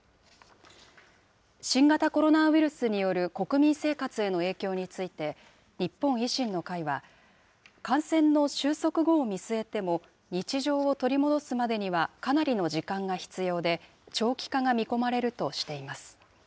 新型コロナウイルスによる国民生活への影響について、日本維新の会は、感染の収束後を見据えても、日常を取り戻すまでにはかなりの時間が必要で、長期化が見込まれるとしています。